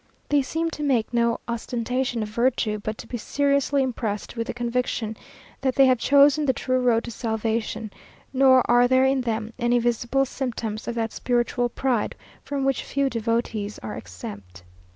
They seem to make no ostentation of virtue, but to be seriously impressed with the conviction that they have chosen the true road to salvation; nor are there in them any visible symptoms of that spiritual pride from which few devotees are exempt.